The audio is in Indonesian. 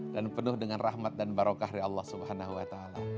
dan penuh dengan rahmat dan barokah dari allah swt